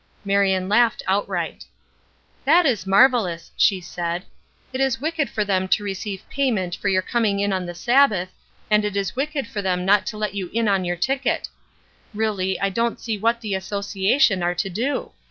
Marion laughed outright. "That is marvelous!" she said. "It is wicked for them to receive payment for your coming in on the Sabbath, and it is wicked for them not to let you in on your ticket. Really, I don't see what the Association are to do.